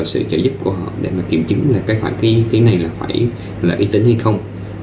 để có sự trợ giúp của họ để mà kiểm chứng là cái này là phải là y tín hay không